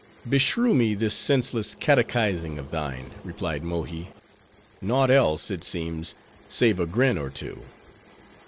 "Beshrew me, this senseless catechising of thine," replied Mohi; "naught else, it seems, save a grin or two."